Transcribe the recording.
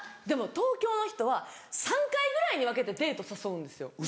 でも東京の人は３回ぐらいに分けてデート誘うんですよ。